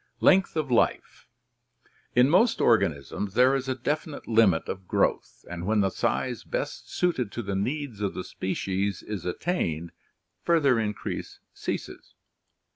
Length of Life. — In most organisms there is a definite limit of 208 ORGANIC EVOLUTION growth and when the size best suited to the needs of the species is attained further increase ceases.